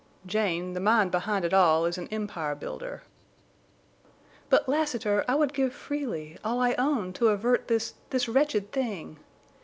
"Jane, the mind behind it all is an empire builder." "But, Lassiter, I would give freely—all I own to avert this—this wretched thing.